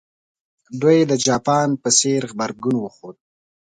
دوی د جاپان په څېر غبرګون وښود.